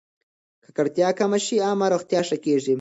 که ککړتیا کمه شي، عامه روغتیا ښه کېږي.